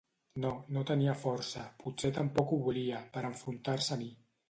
No, no tenia força, potser tampoc ho volia, per a enfrontar-se a mi.